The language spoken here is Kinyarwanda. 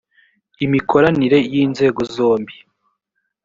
imikoranire y’izo nzego zombi